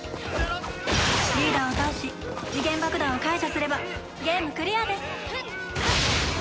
リーダーを倒し時限爆弾を解除すればゲームクリアです。